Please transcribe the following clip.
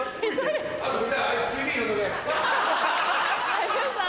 有吉さん